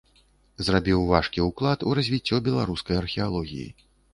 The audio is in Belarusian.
Зрабіў важкі ўклад у развіццё беларускай археалогіі.